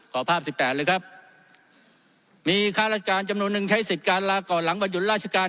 ขอภาพสิบแปดเลยครับมีค่าราชการจำนวนหนึ่งใช้สิทธิ์การลาก่อนหลังวันหยุดราชการ